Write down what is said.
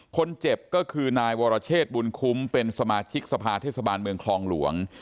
คนเจ็บก็คือนายวรเชษบุญคุ้มเป็นสมาชิกสภาเทศบาลเมืองคลองหลวง